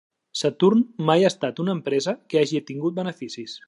Saturn mai ha estat una empresa que hagi tingut beneficis.